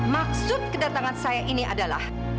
maksud kedatangan saya ini adalah